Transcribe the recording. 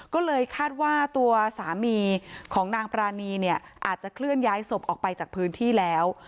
ก็เลยคาดว่าตัวสามีของนางปรานีเนี่ยอาจจะเคลื่อนย้ายศพออกไปจากพื้นที่แล้ว